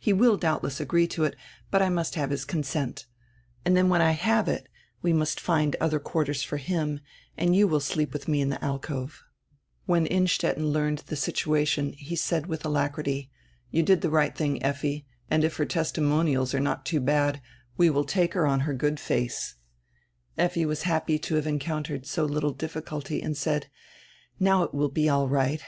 He will doubdess agree to it, but I must have his consent. Then when I have it we must find other quarters for him and you will sleep widi me in die alcove " When Innstetten learned die situation he said widi alacrity: "You did die right tiling, Effi, and if her testi monials are not too bad we will take her on her good face Effi was very happy to have encountered so little diffi culty, and said: "Now it will be all right.